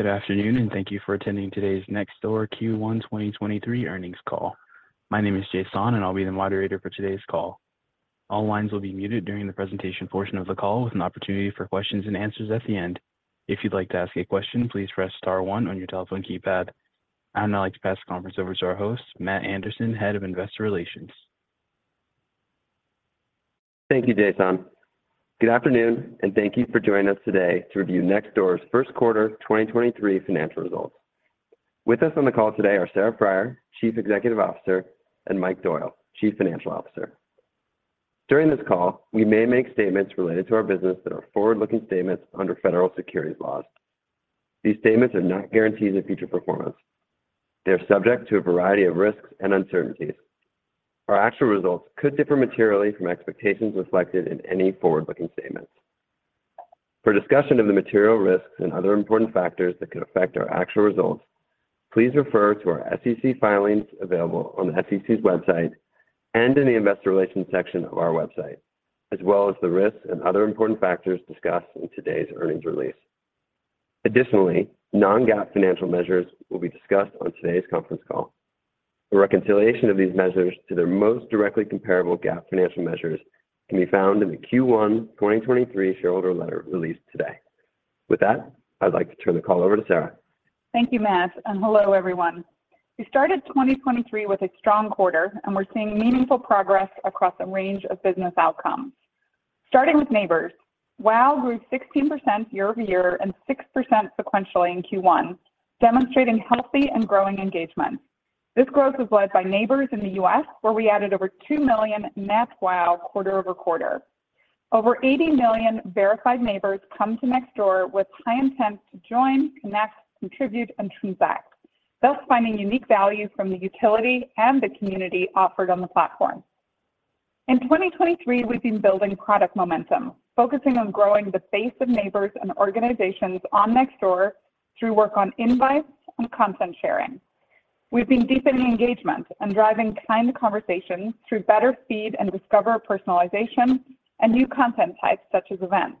Good afternoon, and thank you for attending today's Nextdoor Q1 2023 Earnings Call. My name is Jason, and I'll be the moderator for today's call. All lines will be muted during the presentation portion of the call with an opportunity for questions and answers at the end. If you'd like to ask a question, please press star one on your telephone keypad. I'd now like to pass the conference over to our host, Matt Anderson, Head of Investor Relations. Thank you, Jason. Good afternoon, and thank you for joining us today to review Nextdoor's first quarter 2023 financial results. With us on the call today are Sarah Friar, Chief Executive Officer, and Mike Doyle, Chief Financial Officer. During this call, we may make statements related to our business that are forward-looking statements under federal securities laws. These statements are not guarantees of future performance. They are subject to a variety of risks and uncertainties. Our actual results could differ materially from expectations reflected in any forward-looking statements. For discussion of the material risks and other important factors that could affect our actual results, please refer to our SEC filings available on the SEC's website and in the investor relations section of our website, as well as the risks and other important factors discussed in today's earnings release. Additionally, non-GAAP financial measures will be discussed on today's conference call. A reconciliation of these measures to their most directly comparable GAAP financial measures can be found in the Q1 2023 shareholder letter released today. I'd like to turn the call over to Sarah. Thank you, Matt. Hello, everyone. We started 2023 with a strong quarter. We're seeing meaningful progress across a range of business outcomes. Starting with neighbors, WAU grew 16% year-over-year and 6% sequentially in Q1, demonstrating healthy and growing engagement. This growth was led by neighbors in the US, where we added over 2 million net WAU quarter-over-quarter. Over 80 million verified neighbors come to Nextdoor with high intent to join, connect, contribute, and transact, thus finding unique value from the utility and the community offered on the platform. In 2023, we've been building product momentum, focusing on growing the base of neighbors and organizations on Nextdoor through work on invites and content sharing. We've been deepening engagement and driving kind conversations through better feed and Discover personalization and new content types such as events.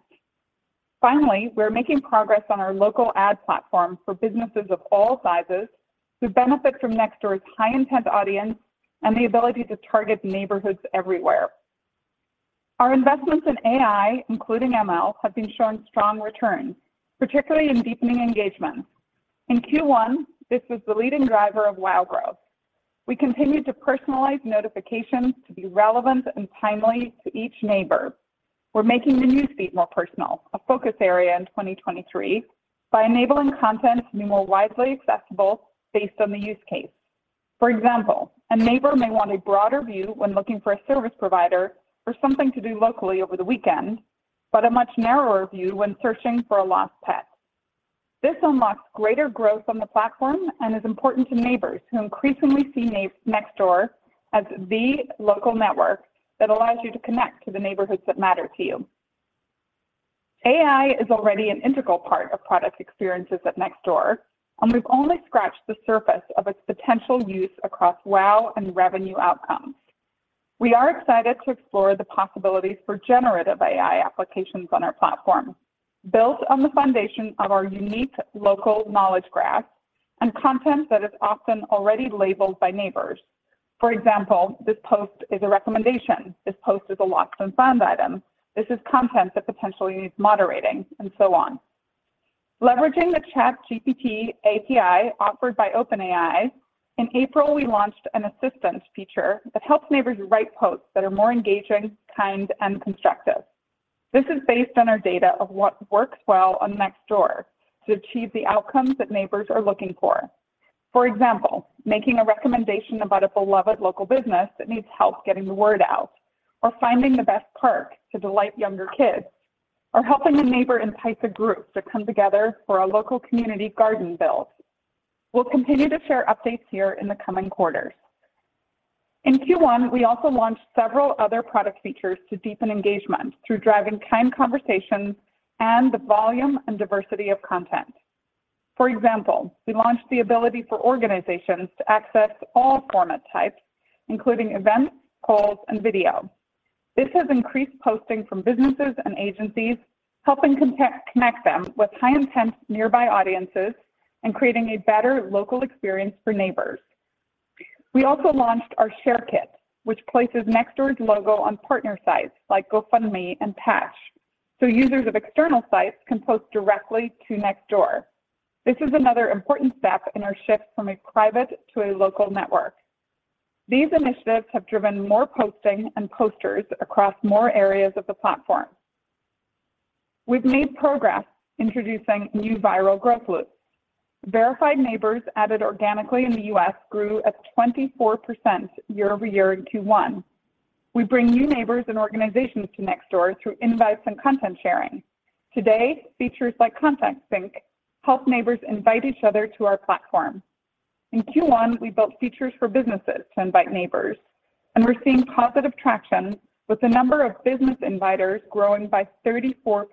We're making progress on our local ad platform for businesses of all sizes who benefit from Nextdoor's high-intent audience and the ability to target neighborhoods everywhere. Our investments in AI, including ML, have been showing strong returns, particularly in deepening engagement. In Q1, this was the leading driver of WAU growth. We continued to personalize notifications to be relevant and timely to each neighbor. We're making the newsfeed more personal, a focus area in 2023, by enabling content to be more widely accessible based on the use case. For example, a neighbor may want a broader view when looking for a service provider or something to do locally over the weekend, but a much narrower view when searching for a lost pet. This unlocks greater growth on the platform and is important to neighbors who increasingly see Nextdoor as the local network that allows you to connect to the neighborhoods that matter to you. AI is already an integral part of product experiences at Nextdoor, and we've only scratched the surface of its potential use across WAU and revenue outcomes. We are excited to explore the possibilities for generative AI applications on our platform, built on the foundation of our unique local knowledge graph and content that is often already labeled by neighbors. For example, this post is a recommendation. This post is a lost and found item. This is content that potentially needs moderating, and so on. Leveraging the ChatGPT API offered by OpenAI, in April, we launched an assistance feature that helps neighbors write posts that are more engaging, kind, and constructive. This is based on our data of what works well on Nextdoor to achieve the outcomes that neighbors are looking for. For example, making a recommendation about a beloved local business that needs help getting the word out, or finding the best park to delight younger kids, or helping a neighbor entice a group to come together for a local community garden build. We'll continue to share updates here in the coming quarters. In Q1, we also launched several other product features to deepen engagement through driving kind conversations and the volume and diversity of content. For example, we launched the ability for organizations to access all format types, including events, calls, and video. This has increased posting from businesses and agencies, helping connect them with high-intent nearby audiences and creating a better local experience for neighbors. We also launched our ShareKit, which places Nextdoor's logo on partner sites like GoFundMe and Patch, so users of external sites can post directly to Nextdoor. This is another important step in our shift from a private to a local network. These initiatives have driven more posting and posters across more areas of the platform. We've made progress introducing new viral growth loops. Verified neighbors added organically in the U.S. grew at 24% year-over-year in Q1. We bring new neighbors and organizations to Nextdoor through invites and content sharing. Today, features like Contact Sync help neighbors invite each other to our platform. In Q1, we built features for businesses to invite neighbors, and we're seeing positive traction with the number of business inviters growing by 34%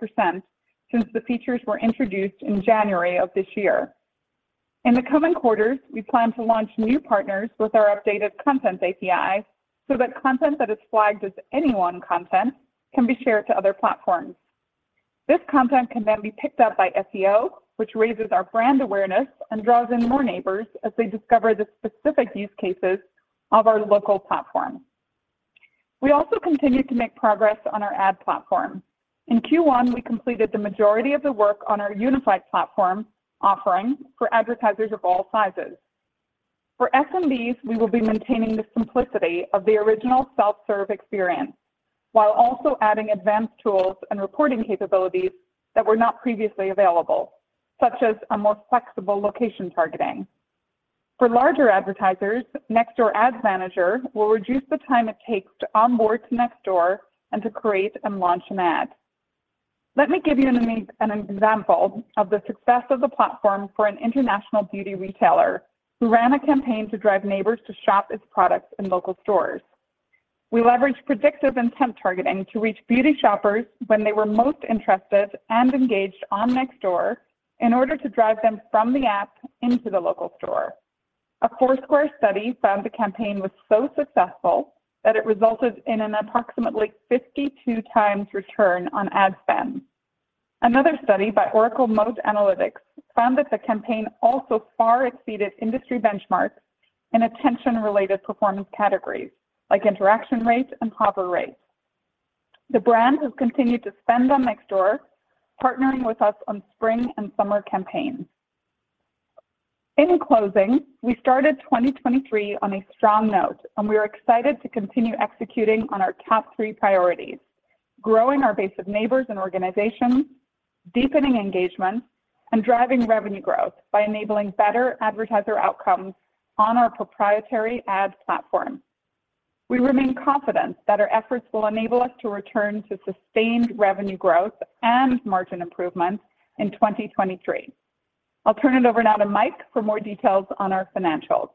since the features were introduced in January of this year. In the coming quarters, we plan to launch new partners with our updated Content API so that content that is flagged as anyone content can be shared to other platforms. This content can then be picked up by SEO, which raises our brand awareness and draws in more neighbors as they discover the specific use cases of our local platform. We also continue to make progress on our ad platform. In Q1, we completed the majority of the work on our unified platform offering for advertisers of all sizes. For SMBs, we will be maintaining the simplicity of the original self-serve experience while also adding advanced tools and reporting capabilities that were not previously available, such as a more flexible location targeting. For larger advertisers, Nextdoor Ads Manager will reduce the time it takes to onboard to Nextdoor and to create and launch an ad. Let me give you an example of the success of the platform for an international beauty retailer who ran a campaign to drive neighbors to shop its products in local stores. We leveraged Predictive Intent targeting to reach beauty shoppers when they were most interested and engaged on Nextdoor in order to drive them from the app into the local store. A Foursquare study found the campaign was so successful that it resulted in an approximately 52 times return on ad spend. Another study by Oracle Moat Analytics found that the campaign also far exceeded industry benchmarks in attention-related performance categories like interaction rates and hover rates. The brand has continued to spend on Nextdoor, partnering with us on spring and summer campaigns. In closing, we started 2023 on a strong note, and we are excited to continue executing on our top three priorities: growing our base of neighbors and organizations, deepening engagement, and driving revenue growth by enabling better advertiser outcomes on our proprietary ad platform. We remain confident that our efforts will enable us to return to sustained revenue growth and margin improvements in 2023. I'll turn it over now to Mike for more details on our financials.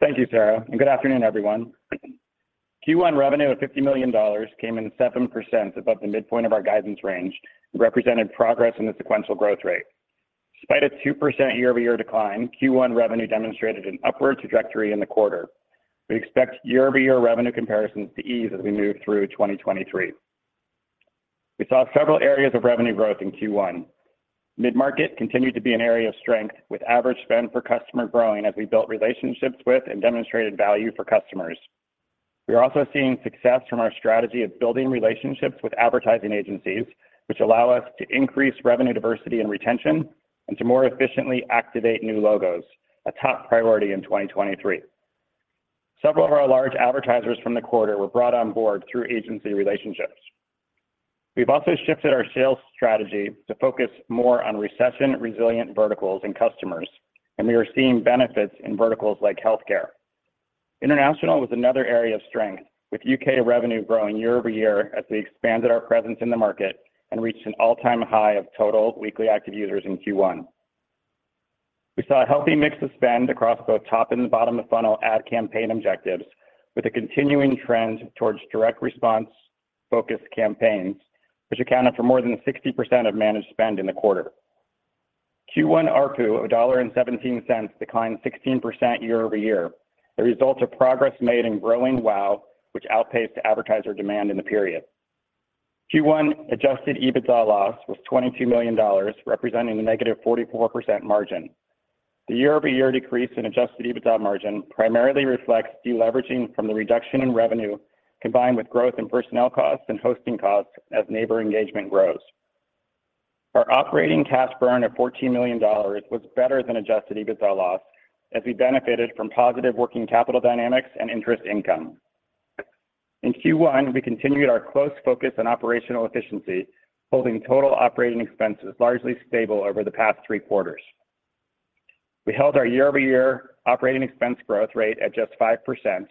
Thank you, Sarah. Good afternoon, everyone. Q1 revenue of $50 million came in 7% above the midpoint of our guidance range, representing progress in the sequential growth rate. Despite a 2% year-over-year decline, Q1 revenue demonstrated an upward trajectory in the quarter. We expect year-over-year revenue comparisons to ease as we move through 2023. We saw several areas of revenue growth in Q1. Mid-market continued to be an area of strength, with average spend per customer growing as we built relationships with and demonstrated value for customers. We are also seeing success from our strategy of building relationships with advertising agencies, which allow us to increase revenue diversity and retention and to more efficiently activate new logos, a top priority in 2023. Several of our large advertisers from the quarter were brought on board through agency relationships. We've also shifted our sales strategy to focus more on recession-resilient verticals and customers. We are seeing benefits in verticals like healthcare. International was another area of strength, with UK revenue growing year-over-year as we expanded our presence in the market and reached an all-time high of total weekly active users in Q1. We saw a healthy mix of spend across both top and bottom of funnel ad campaign objectives, with a continuing trend towards direct response-focused campaigns, which accounted for more than 60% of managed spend in the quarter. Q1 ARPU of $1.17 declined 16% year-over-year, the result of progress made in growing WAU, which outpaced advertiser demand in the period. Q1 Adjusted EBITDA loss was $22 million, representing a negative 44% margin. The year-over-year decrease in Adjusted EBITDA margin primarily reflects deleveraging from the reduction in revenue, combined with growth in personnel costs and hosting costs as neighbor engagement grows. Our operating cash burn of $14 million was better than Adjusted EBITDA loss as we benefited from positive working capital dynamics and interest income. In Q1, we continued our close focus on operational efficiency, holding total operating expenses largely stable over the past three quarters. We held our year-over-year operating expense growth rate at just 5%,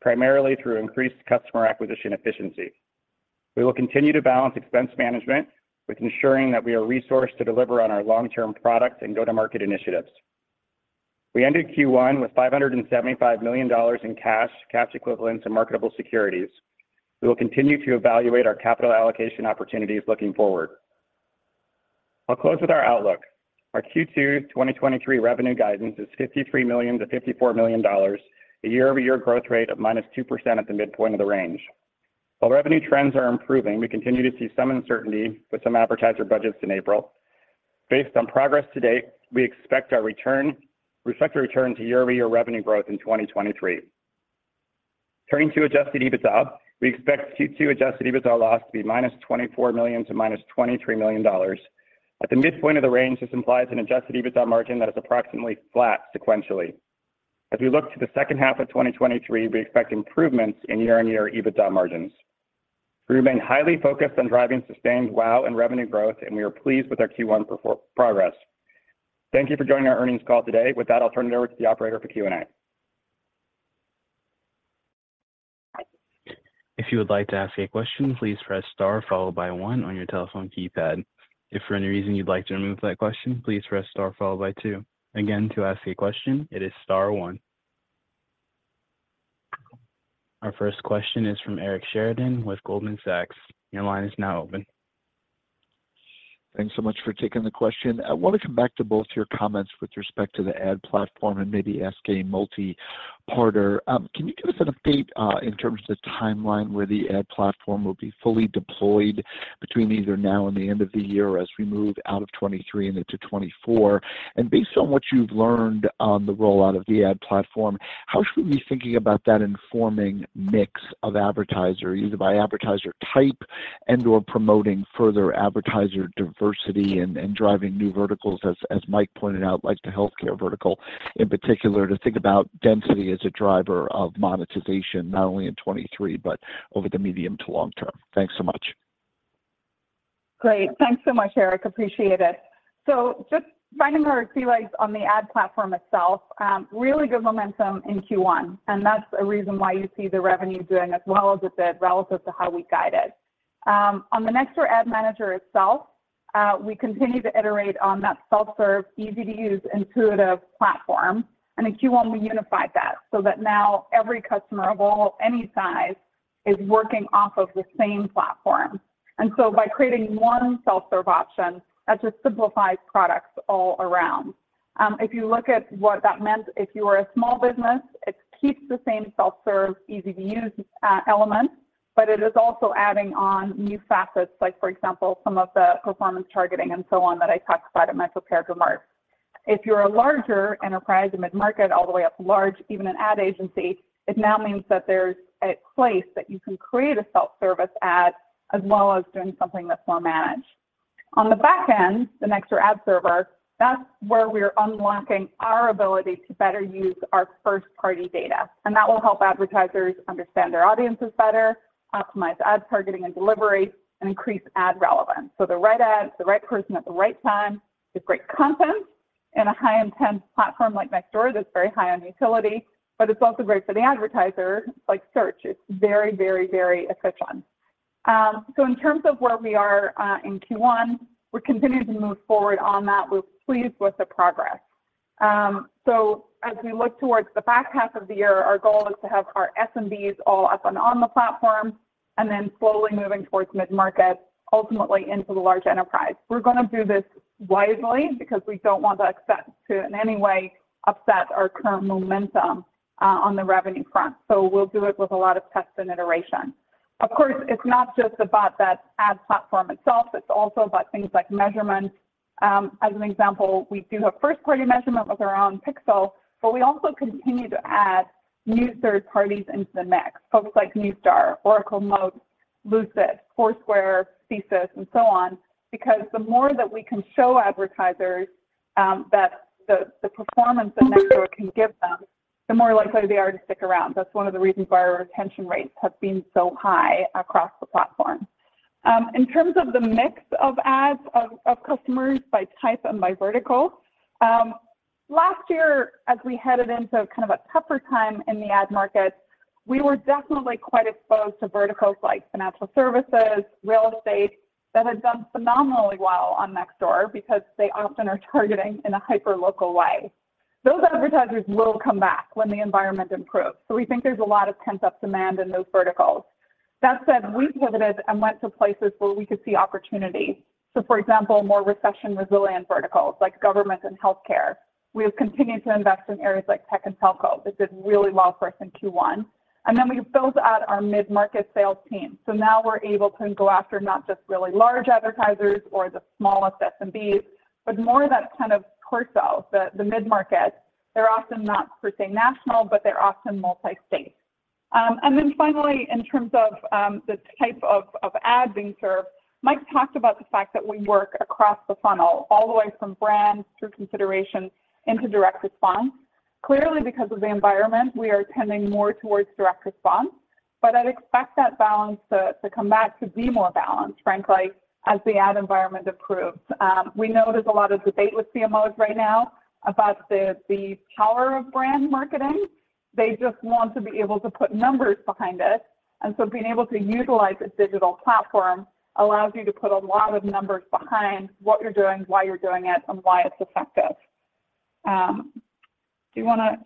primarily through increased customer acquisition efficiency. We will continue to balance expense management with ensuring that we are resourced to deliver on our long-term product and go-to-market initiatives. We ended Q1 with $575 million in cash equivalents, and marketable securities. We will continue to evaluate our capital allocation opportunities looking forward. I'll close with our outlook. Our Q2 2023 revenue guidance is $53 million-$54 million, a year-over-year growth rate of -2% at the midpoint of the range. While revenue trends are improving, we continue to see some uncertainty with some advertiser budgets in April. Based on progress to date, we expect a return to year-over-year revenue growth in 2023. Turning to Adjusted EBITDA, we expect Q2 Adjusted EBITDA loss to be -$24 million to -$23 million. At the midpoint of the range, this implies an Adjusted EBITDA margin that is approximately flat sequentially. As we look to the second half of 2023, we expect improvements in year-on-year EBITDA margins. We remain highly focused on driving sustained WAU and revenue growth, and we are pleased with our Q1 progress. Thank you for joining our earnings call today. With that, I'll turn it over to the operator for Q&A. If you would like to ask a question, please press star followed by one on your telephone keypad. If for any reason you'd like to remove that question, please press star followed by two. Again, to ask a question, it is star one. Our first question is from Eric Sheridan with Goldman Sachs. Your line is now open. Thanks so much for taking the question. I wanna come back to both your comments with respect to the ad platform and maybe ask a multi-parter. Can you give us an update in terms of the timeline where the ad platform will be fully deployed between either now and the end of the year as we move out of 2023 and into 2024? Based on what you've learned on the rollout of the ad platform, how should we be thinking about that informing mix of advertisers, either by advertiser type and/or promoting further advertiser diversity and driving new verticals as Mike pointed out, like the healthcare vertical in particular, to think about density as a driver of monetization not only in 2023, but over the medium to long term? Thanks so much. Great. Thanks so much, Eric. Appreciate it. Just finally on the ad platform itself, really good momentum in Q1, and that's a reason why you see the revenue doing as well as it did relative to how we guided. On the Nextdoor Ads Manager itself, we continue to iterate on that self-serve, easy-to-use, intuitive platform. In Q1, we unified that so that now every customer of any size is working off of the same platform. By creating one self-serve option, that just simplifies products all around. If you look at what that meant, if you are a small business, it keeps the same self-serve, easy-to-use elements, but it is also adding on new facets like, for example, some of the performance targeting and so on that I talked about in my prepared remarks. If you're a larger enterprise and mid-market all the way up to large, even an ad agency, it now means that there's a place that you can create a self-service ad as well as doing something that's more managed. On the back end, the Nextdoor Ad Server, that's where we're unlocking our ability to better use our first-party data, and that will help advertisers understand their audiences better, optimize ad targeting and delivery, and increase ad relevance. The right ad at the right person at the right time with great content in a high-intent platform like Nextdoor that's very high on utility. It's also great for the advertiser, like search. It's very, very, very efficient. In terms of where we are in Q1, we're continuing to move forward on that. We're pleased with the progress. As we look towards the back half of the year, our goal is to have our SMBs all up and on the platform and then slowly moving towards mid-market, ultimately into the large enterprise. We're gonna do this wisely because we don't want to, in any way, upset our current momentum on the revenue front. We'll do it with a lot of tests and iteration. Of course, it's not just about the ad platform itself. It's also about things like measurement. As an example, we do have first-party measurement with our own pixel, but we also continue to add new third parties into the mix. Folks like Neustar, Oracle Moat, Lucid, Foursquare, Theseus, and so on because the more that we can show advertisers that the performance that Nextdoor can give them, the more likely they are to stick around. That's one of the reasons why our retention rates have been so high across the platform. In terms of the mix of ads of customers by type and by vertical, last year, as we headed into kind of a tougher time in the ad market, we were definitely quite exposed to verticals like financial services, real estate that had done phenomenally well on Nextdoor because they often are targeting in a hyper-local way. Those advertisers will come back when the environment improves. We think there's a lot of pent-up demand in those verticals. That said, we pivoted and went to places where we could see opportunity. For example, more recession-resilient verticals like government and healthcare. We have continued to invest in areas like tech and telco that did really well for us in Q1. We built out our mid-market sales team, so now we're able to go after not just really large advertisers or the smallest SMBs, but more of that kind of torso, the mid-market. They're often not per se national, but they're often multi-state. Finally, in terms of the type of ads being served, Mike talked about the fact that we work across the funnel all the way from brand through consideration into direct response. Clearly, because of the environment, we are tending more towards direct response. I'd expect that balance to come back to be more balanced, frankly, as the ad environment improves. We know there's a lot of debate with CMOs right now about the power of brand marketing. They just want to be able to put numbers behind it. Being able to utilize a digital platform allows you to put a lot of numbers behind what you're doing, why you're doing it, and why it's effective.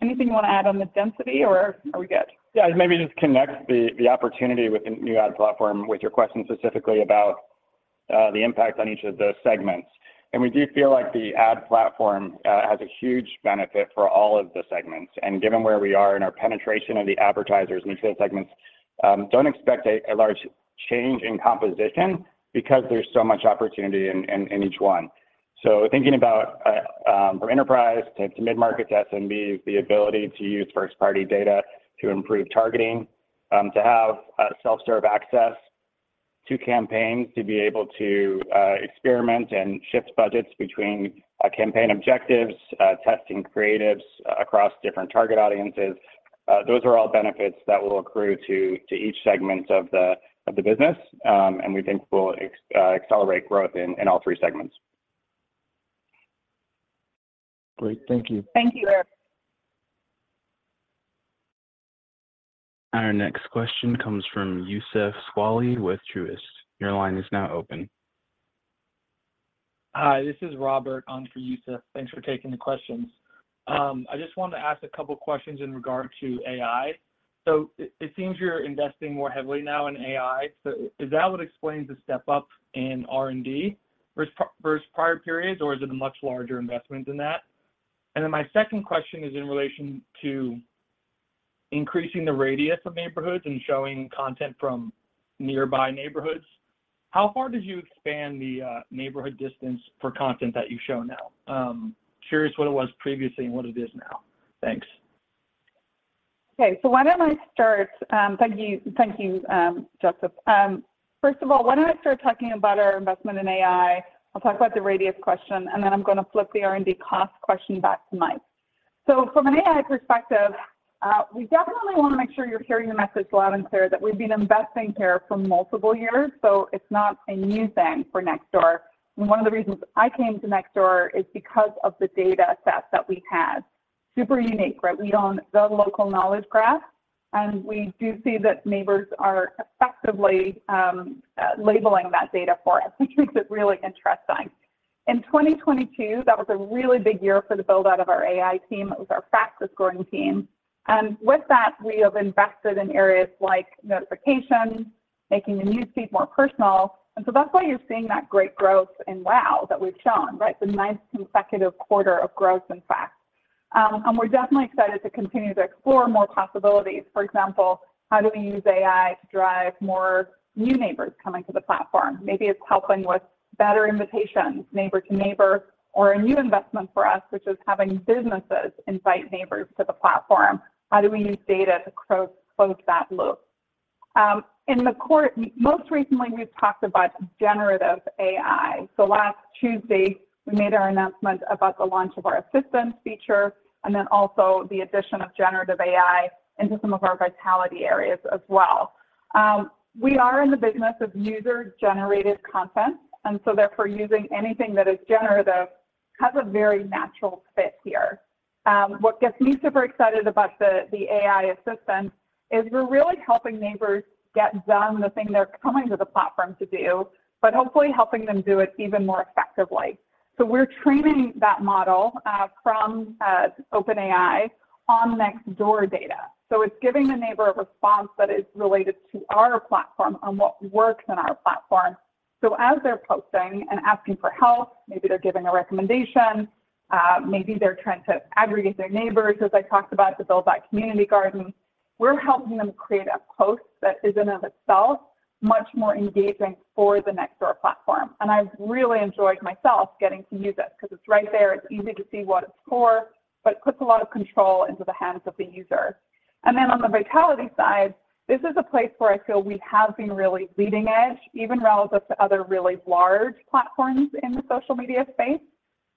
Anything you wanna add on the density or are we good? Yeah. Maybe just connect the opportunity with the new ad platform with your question specifically about the impact on each of the segments. We do feel like the ad platform has a huge benefit for all of the segments. Given where we are in our penetration of the advertisers in each of the segments, don't expect a large change in composition because there's so much opportunity in each one. Thinking about, from enterprise to mid-market to SMB, the ability to use first-party data to improve targeting, to have self-serve access to campaigns, to be able to experiment and shift budgets between campaign objectives, testing creatives across different target audiences, those are all benefits that will accrue to each segment of the business, and we think will accelerate growth in all three segments. Great. Thank you. Thank you, Eric. Our next question comes from Youssef Squali with Truist. Your line is now open. Hi, this is Robert on for Youssef. Thanks for taking the questions. I just wanted to ask a couple questions in regard to AI. It seems you're investing more heavily now in AI. Is that what explains the step up in R&D versus prior periods, or is it a much larger investment than that? My second question is in relation to increasing the radius of neighborhoods and showing content from nearby neighborhoods. How far did you expand the neighborhood distance for content that you show now? Curious what it was previously and what it is now. Thanks. Okay. Why don't I start, thank you, thank you, Jason. First of all, why don't I start talking about our investment in AI. I'll talk about the radius question, and then I'm gonna flip the R&D cost question back to Mike. From an AI perspective, we definitely wanna make sure you're hearing the message loud and clear that we've been investing here for multiple years, so it's not a new thing for Nextdoor. One of the reasons I came to Nextdoor is because of the data set that we had. Super unique, right? We own the local knowledge graph, and we do see that neighbors are effectively labeling that data for us, which makes it really interesting. In 2022, that was a really big year for the build-out of our AI team. It was our fastest-growing team. With that, we have invested in areas like notifications, making the newsfeed more personal. That's why you're seeing that great growth in WAU that we've shown, right. The ninth consecutive quarter of growth, in fact. We're definitely excited to continue to explore more possibilities. For example, how do we use AI to drive more new neighbors coming to the platform. Maybe it's helping with better invitations, neighbor to neighbor, or a new investment for us, which is having businesses invite neighbors to the platform. How do we use data to close that loop. Most recently, we've talked about generative AI. Last Tuesday, we made our announcement about the launch of our assistance feature, and then also the addition of generative AI into some of our vitality areas as well. We are in the business of user-generated content, and so therefore using anything that is generative has a very natural fit here. What gets me super excited about the AI assistant is we're really helping neighbors get done the thing they're coming to the platform to do, but hopefully helping them do it even more effectively. We're training that model from OpenAI on Nextdoor data. It's giving the neighbor a response that is related to our platform on what works on our platform. As they're posting and asking for help, maybe they're giving a recommendation, maybe they're trying to aggregate their neighbors, as I talked about, to build that community garden. We're helping them create a post that is in and of itself much more engaging for the Nextdoor platform. I've really enjoyed myself getting to use it 'cause it's right there, it's easy to see what it's for, but it puts a lot of control into the hands of the user. On the vitality side, this is a place where I feel we have been really leading edge, even relative to other really large platforms in the social media space.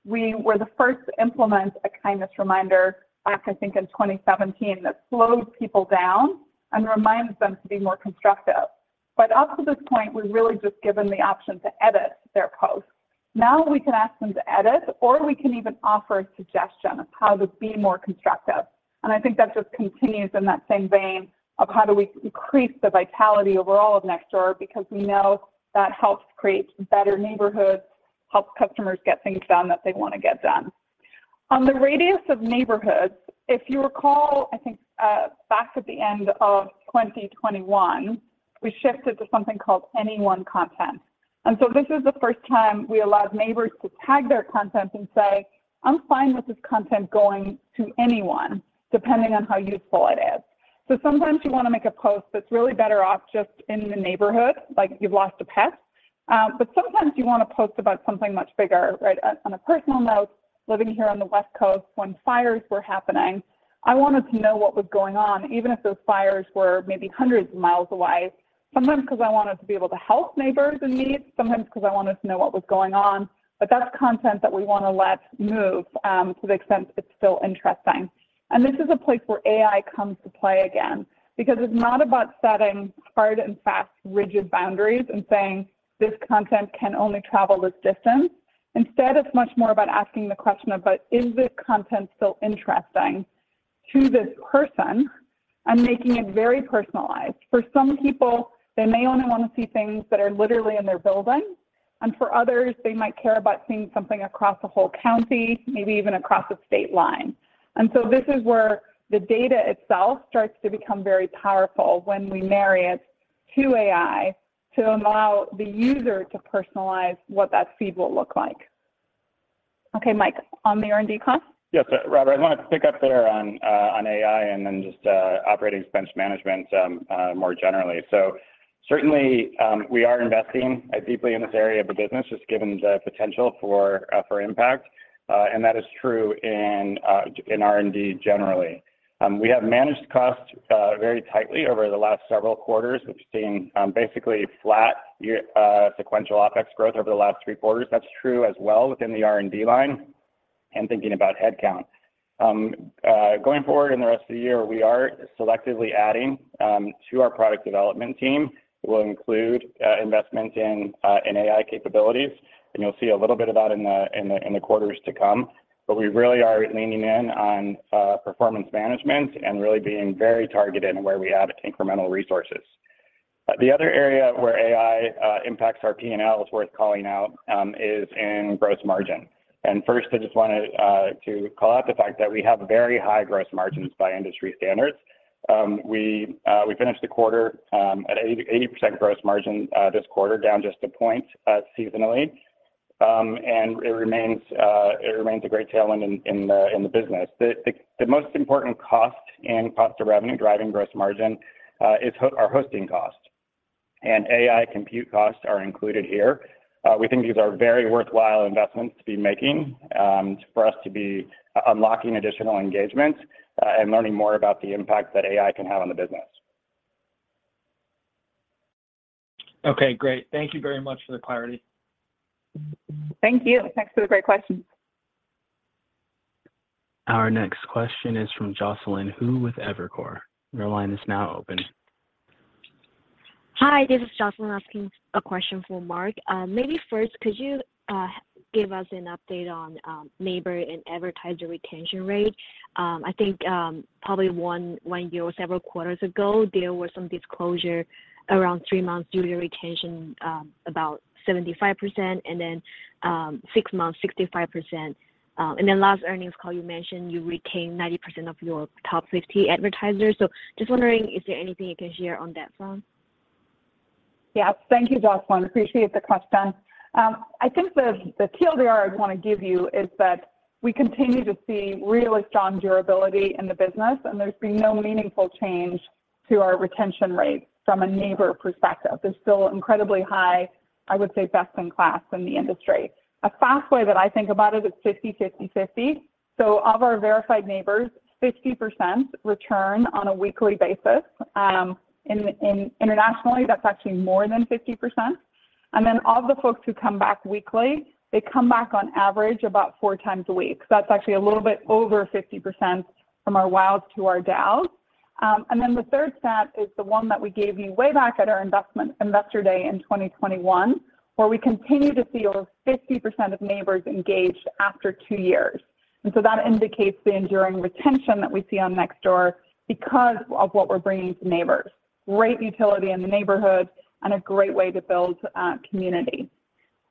We were the first to implement a Kindness Reminder, I think in 2017, that slows people down and reminds them to be more constructive. Up to this point, we've really just given the option to edit their posts. Now we can ask them to edit or we can even offer a suggestion of how to be more constructive. I think that just continues in that same vein of how do we increase the vitality overall of Nextdoor because we know that helps create better neighborhoods, helps customers get things done that they wanna get done. On the radius of neighborhoods, if you recall, I think, back at the end of 2021, we shifted to something called anyone content. This is the first time we allowed neighbors to tag their content and say, "I'm fine with this content going to anyone, depending on how useful it is." Sometimes you wanna make a post that's really better off just in the neighborhood, like you've lost a pet. Sometimes you wanna post about something much bigger, right? On a personal note, living here on the West Coast when fires were happening, I wanted to know what was going on, even if those fires were maybe hundreds of miles away, sometimes 'cause I wanted to be able to help neighbors in need, sometimes 'cause I wanted to know what was going on. That's content that we wanna let move to the extent it's still interesting. This is a place where AI comes to play again because it's not about setting hard and fast rigid boundaries and saying, "This content can only travel this distance." Instead, it's much more about asking the question about, is this content still interesting to this person and making it very personalized. For some people, they may only wanna see things that are literally in their building. For others, they might care about seeing something across a whole county, maybe even across a state line. This is where the data itself starts to become very powerful when we marry it to AI to allow the user to personalize what that feed will look like. Okay, Mike, on the R&D cost. Yes. Robert, I wanted to pick up there on AI and then just operating expense management more generally. Certainly, we are investing deeply in this area of the business, just given the potential for impact, and that is true in R&D generally. We have managed cost very tightly over the last several quarters. We've seen basically flat year sequential OpEx growth over the last three quarters. That's true as well within the R&D line and thinking about headcount. Going forward in the rest of the year, we are selectively adding to our product development team, will include investment in AI capabilities, and you'll see a little bit of that in the quarters to come. We really are leaning in on performance management and really being very targeted in where we add incremental resources. The other area where AI impacts our P&L is worth calling out, is in gross margin. First, I just wanted to call out the fact that we have very high gross margins by industry standards. We finished the quarter at 80% gross margin, this quarter down just a point seasonally. It remains a great tailwind in the business. The most important cost and cost of revenue driving gross margin, is our hosting cost. AI compute costs are included here. We think these are very worthwhile investments to be making, for us to be unlocking additional engagement, and learning more about the impact that AI can have on the business. Okay, great. Thank you very much for the clarity. Thank you. Thanks for the great question. Our next question is from Jocelyn Hung with Evercore. Your line is now open. Hi, this is Jocelyn asking a question for Mark. Maybe first could you give us an update on neighbor and advertiser retention rate? I think probably one year or several quarters ago, there was some disclosure around three months user retention, about 75%, and then six months, 65%. Last earnings call you mentioned you retained 90% of your top 50 advertisers. Just wondering, is there anything you can share on that front? Yeah. Thank you, Jocelyn. Appreciate the question. I think the TLDR I'd wanna give you is that we continue to see really strong durability in the business, and there's been no meaningful change to our retention rates from a neighbor perspective. They're still incredibly high, I would say best in class in the industry. A fast way that I think about it's 50-50-50. Of our verified neighbors, 50% return on a weekly basis. In internationally, that's actually more than 50%. Of the folks who come back weekly, they come back on average about 4 times a week. That's actually a little bit over 50% from our WAUs to our DAUs. The third stat is the one that we gave you way back at our investment Investor Day in 2021, where we continue to see over 50% of neighbors engaged after two years. That indicates the enduring retention that we see on Nextdoor because of what we're bringing to neighbors, great utility in the neighborhood and a great way to build community.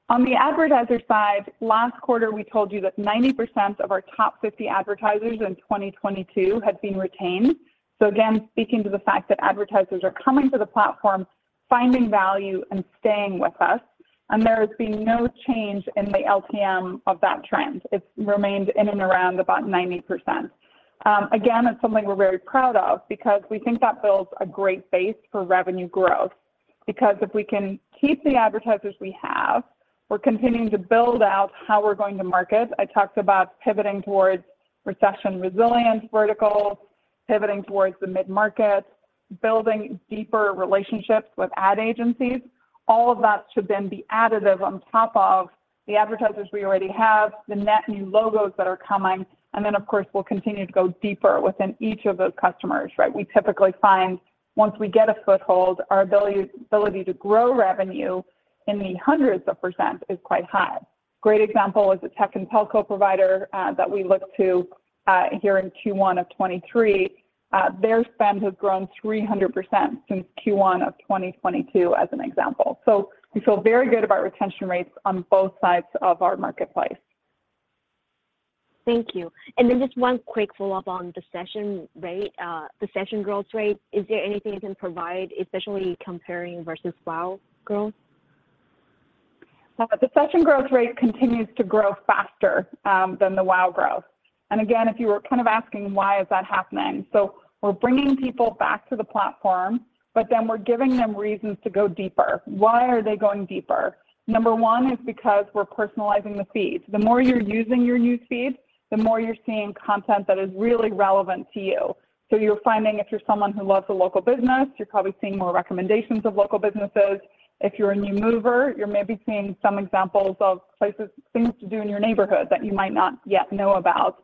On the advertiser side, last quarter, we told you that 90% of our top 50 advertisers in 2022 had been retained. Again, speaking to the fact that advertisers are coming to the platform, finding value and staying with us, and there has been no change in the LTM of that trend. It's remained in and around about 90%. Again, it's something we're very proud of because we think that builds a great base for revenue growth. Because if we can keep the advertisers we have, we're continuing to build out how we're going to market. I talked about pivoting towards recession resilience verticals, pivoting towards the mid-market, building deeper relationships with ad agencies. All of that should then be additive on top of the advertisers we already have, the net new logos that are coming, of course, we'll continue to go deeper within each of those customers, right? We typically find once we get a foothold, our ability to grow revenue in the hundreds of percent is quite high. Great example is a tech and telco provider that we look to here in Q1 of 2023. Their spend has grown 300% since Q1 of 2022 as an example. We feel very good about retention rates on both sides of our marketplace. Thank you. Just one quick follow-up on the session rate, the session growth rate. Is there anything you can provide, especially comparing versus WAU growth? The session growth rate continues to grow faster than the WAU growth. If you were kind of asking why is that happening? We're bringing people back to the platform, but then we're giving them reasons to go deeper. Why are they going deeper? Number one is because we're personalizing the feeds. The more you're using your newsfeed, the more you're seeing content that is really relevant to you. You're finding if you're someone who loves a local business, you're probably seeing more recommendations of local businesses. If you're a new mover, you're maybe seeing some examples of places, things to do in your neighborhood that you might not yet know about.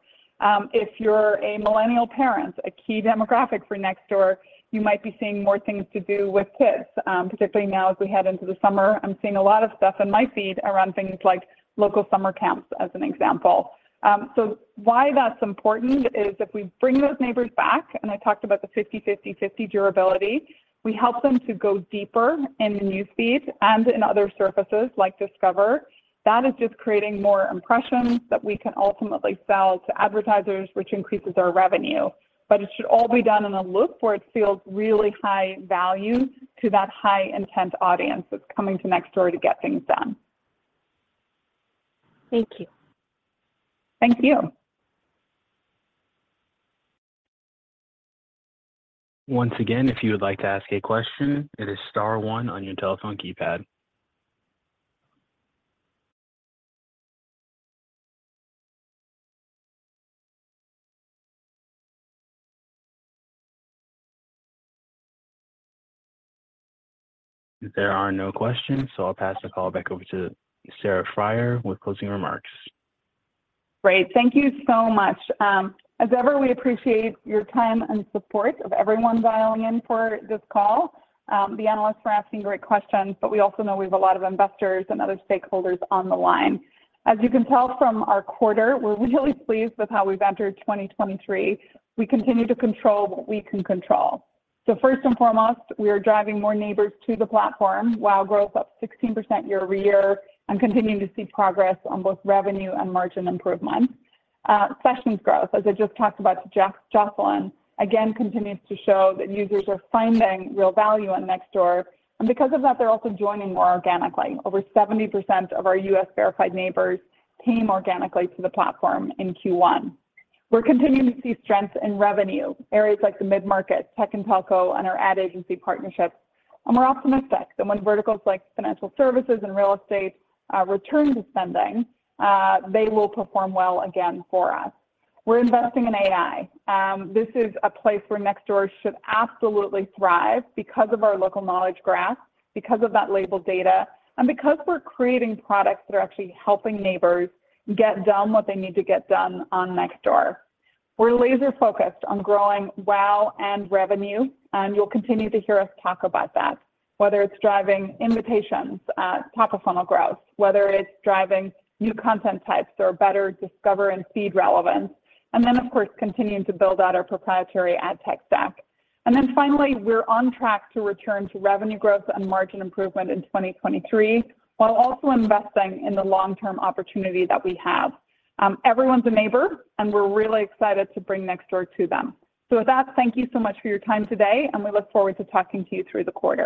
If you're a millennial parent, a key demographic for Nextdoor, you might be seeing more things to do with kids. Particularly now as we head into the summer, I'm seeing a lot of stuff in my feed around things like local summer camps as an example. Why that's important is if we bring those neighbors back, and I talked about the 50-50-50 durability, we help them to go deeper in the newsfeed and in other surfaces like Discover. That is just creating more impressions that we can ultimately sell to advertisers, which increases our revenue. It should all be done in a loop where it feels really high value to that high intent audience that's coming to Nextdoor to get things done. Thank you. Thank you. Once again, if you would like to ask a question, it is star one on your telephone keypad. There are no questions. I'll pass the call back over to Sarah Friar with closing remarks. Great. Thank you so much. As ever, we appreciate your time and support of everyone dialing in for this call, the analysts for asking great questions, but we also know we have a lot of investors and other stakeholders on the line. As you can tell from our quarter, we're really pleased with how we've entered 2023. We continue to control what we can control. First and foremost, we are driving more neighbors to the platform, WAU growth up 16% year-over-year, and continuing to see progress on both revenue and margin improvement. Sessions growth, as I just talked about to Jocelyn, again continues to show that users are finding real value on Nextdoor. Because of that, they're also joining more organically. Over 70% of our US verified neighbors came organically to the platform in Q1. We're continuing to see strength in revenue, areas like the mid-market, tech and telco, and our ad agency partnerships. We're optimistic that when verticals like financial services and real estate, return to spending, they will perform well again for us. We're investing in AI. This is a place where Nextdoor should absolutely thrive because of our local knowledge graph, because of that label data, and because we're creating products that are actually helping neighbors get done what they need to get done on Nextdoor. We're laser focused on growing wow and revenue, and you'll continue to hear us talk about that, whether it's driving invitations, top of funnel growth, whether it's driving new content types or better Discover and feed relevance, and then of course, continuing to build out our proprietary ad tech stack. Finally, we're on track to return to revenue growth and margin improvement in 2023, while also investing in the long-term opportunity that we have. Everyone's a neighbor, and we're really excited to bring Nextdoor to them. With that, thank you so much for your time today, and we look forward to talking to you through the quarter.